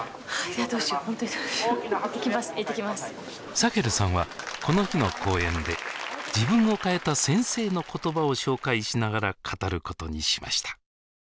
サヘルさんはこの日の講演で自分を変えた先生の言葉を紹介しながら語ることにしました。